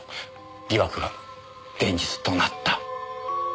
疑惑が現実となった。